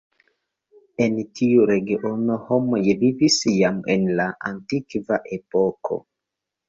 En tiu regiono homoj vivis jam en la antikva epoko.